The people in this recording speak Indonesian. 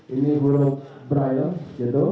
ini buruk brail gitu